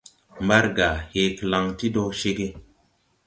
Mbargà hee klaŋ ti dɔ ceg.